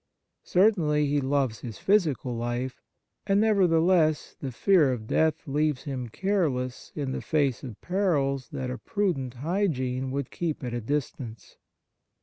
Certainly, he loves his physical life, and nevertheless the fear of death leaves him careless in the face of perils that a prudent hygiene would keep at a distance.